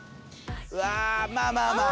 うわまあまあまあ。